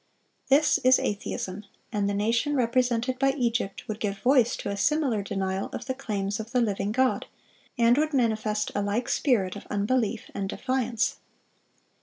(392) This is atheism; and the nation represented by Egypt would give voice to a similar denial of the claims of the living God, and would manifest a like spirit of unbelief and defiance.